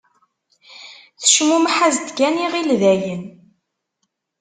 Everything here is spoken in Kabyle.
Tecmummeḥ-as-d kan iɣill dayen.